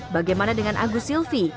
bagaimana dengan agus silvi